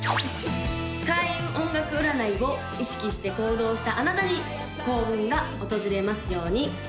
開運音楽占いを意識して行動したあなたに幸運が訪れますように！